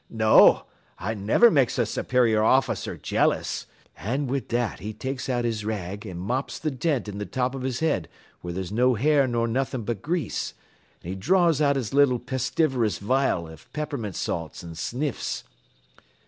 No, I never makes a superior officer jealous;' an' wid that he takes out his rag an' mops th' dent in th' top av his head where there's no hair nor nothin' but grease, an' he draws out his little pestiverous vial av peppermint salts an' sniffs.